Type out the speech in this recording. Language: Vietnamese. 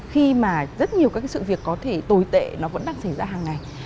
khi mà rất nhiều các sự việc có thể tồi tệ nó vẫn đang xảy ra hàng ngày